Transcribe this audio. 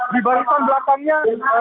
di barisan belakangnya